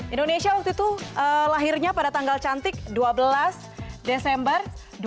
indonesia waktu itu lahirnya pada tanggal cantik dua belas desember dua ribu dua puluh